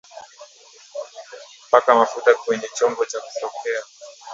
Paka mafuta kwenye chombo cha kuokea